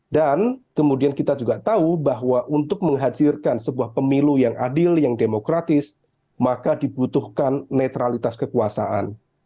dan kemudian kita juga tahu bahwa untuk menghadirkan sebuah pemilu yang adil yang demokratis maka dibutuhkan netralitas kekuasaan